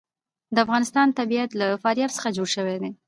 د افغانستان طبیعت له فاریاب څخه جوړ شوی دی.